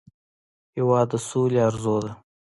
هېواد د سولې ارزو ده.